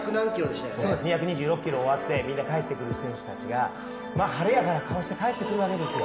２２６ｋｍを終わってみんな帰ってくる選手たちが晴れやかな顔して帰ってくるわけですよ。